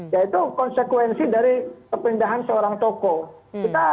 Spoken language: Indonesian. yaitu konsekuensi dari kepindahan seorang tokoh